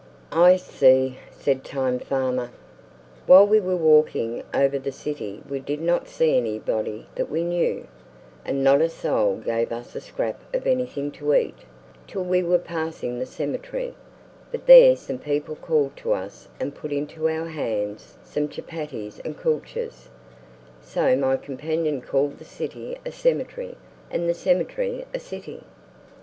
"I see," said time farmer. "While we were walking over the city we did not see anybody that we knew, and not a soul gave us a scrap of anything to eat, till we were passing the cemetery; but there some people called to us and put into our hands some chupatties and kulchas; so my companion called the city a cemetery, and the cemetery a city."